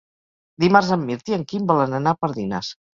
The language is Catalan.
Dimarts en Mirt i en Quim volen anar a Pardines.